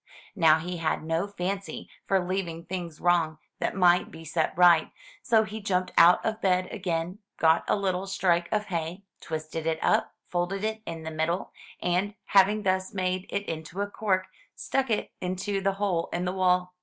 Now he had no fancy for leaving things wrong that might be set right; so he jumped out of bed again, got a little strike of hay, twisted it up, folded it in the middle, and, having thus made it into a cork, stuck it into the hole in the wall.